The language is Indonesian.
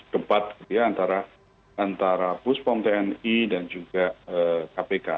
tempat ya antara antara buspom tni dan juga kpk